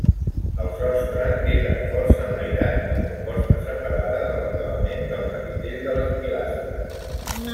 El sostre queda força enlairat amb imposta separada de l'acabament del capitell de les pilastres.